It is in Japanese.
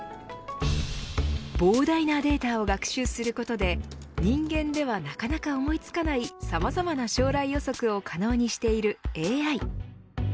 膨大なデータを学習することで人間ではなかなか思いつかないさまざまな将来予測を可能にしているＡＩ。